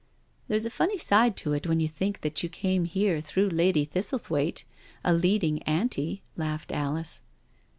'*" There's a funny side to it when you think that yott came here through Lady Thistlethwaite— a lead ing Anti," laughed Alice.